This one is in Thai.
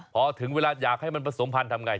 พอถึงเวลาอยากให้มันผสมพันธ์ทำไง